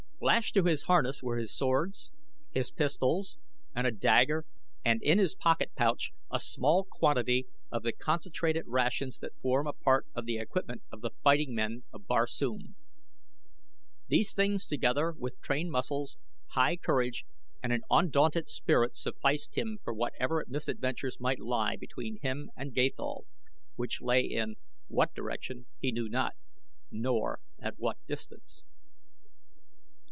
Lashed to his harness were his swords, his pistols, and a dagger, and in his pocket pouch a small quantity of the concentrated rations that form a part of the equipment of the fighting men of Barsoom. These things together with trained muscles, high courage, and an undaunted spirit sufficed him for whatever misadventures might lie between him and Gathol, which lay in what direction he knew not, nor at what distance.